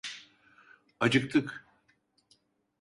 Acıktık.